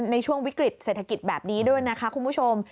ในช่วงวิกฤตเศรษฐกิจแบบนี้ด้วยนะคะคุณผู้ชม